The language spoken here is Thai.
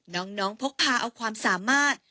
น้องพกพาเอาความสามารถ